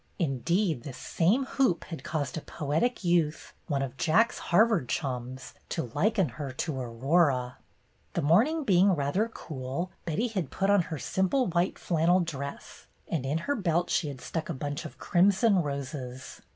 Indeed, this same hoop had caused a poetic youth, one of Jack's Harvard chums, to liken her to Aurora. The morning being rather cool, Betty had put bn her simple white flannel dress, and in her belt she had stuck a bunch of crimson roses.